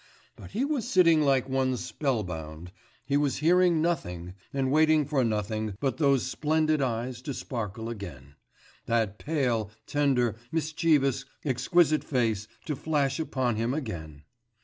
But he was sitting like one spell bound, he was hearing nothing, and waiting for nothing but for those splendid eyes to sparkle again, that pale, tender, mischievous, exquisite face to flash upon him again....